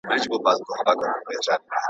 دوه پاچایان پر یو تخت نه ځايېږي ..